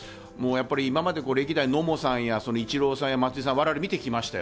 今まで歴代、野茂さんやイチローさん、松井さんを我々は見てきました。